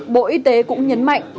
bộ y tế cũng nhấn mạnh